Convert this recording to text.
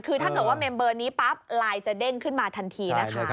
คือถ้าเกิดว่าเมมเบอร์นี้ปั๊บไลน์จะเด้งขึ้นมาทันทีนะคะ